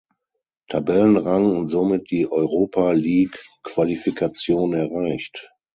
Tabellenrang und somit die Europa-League-Qualifikation erreicht.